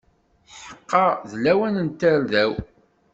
Ḥeqqa d lawan n tarda-w!